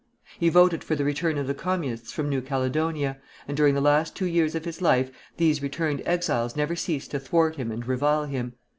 He voted for the return of the Communists from New Caledonia, and during the last two years of his life these returned exiles never ceased to thwart him and revile him.